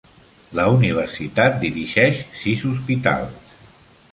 La universitat dirigeix sis hospitals.